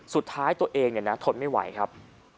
สุดท้ายตัวเองทนไม่ไหวครับ